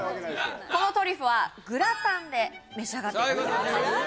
このトリュフはグラタンで召し上がっていただきます